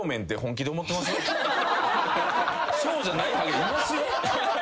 そうじゃないハゲいますよ。